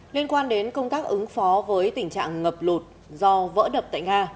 liên quan đến công tác ứng phó với tình trạng ngập lụt do vỡ đập tại nga